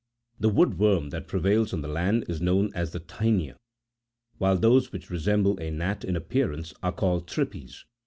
The wood worm that prevails on the land is known as the " tinea," while those which resemble a gnat in appear ance are called "thripes."